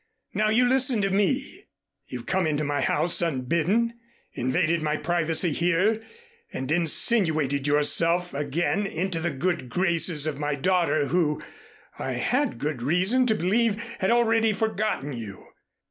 Now you listen to me! You've come into my house unbidden, invaded my privacy here and insinuated yourself again into the good graces of my daughter, who, I had good reason to believe, had already forgotten you.